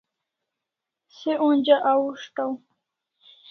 Se onja ahushtaw